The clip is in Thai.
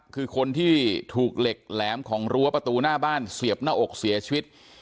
คือคนที่ถูกเหล็กแหลมของรั้วประตูหน้าบ้านเสียบหน้าอกเสียชีวิต